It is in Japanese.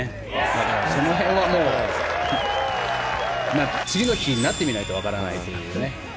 その辺は次の日になってみないと分からないという。